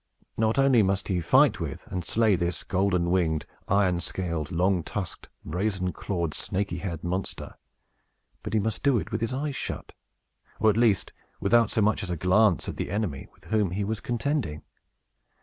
Not only must he fight with and slay this golden winged, iron scaled, long tusked, brazen clawed, snaky haired monster, but he must do it with his eyes shut, or, at least, without so much as a glance at the enemy with whom he was contending.